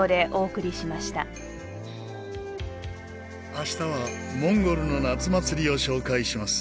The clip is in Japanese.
明日はモンゴルの夏祭りを紹介します。